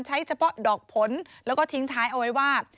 เฉพาะดอกผลแล้วก็ทิ้งท้ายเอาไว้ว่า